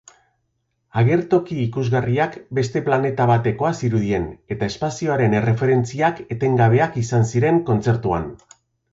Agertoki ikusgarriak beste planeta batekoa zirudien eta espazioaren erreferentziak etengabeak izan ziren kontzertuan.